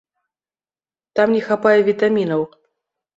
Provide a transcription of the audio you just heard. Там не хапае вітамінаў.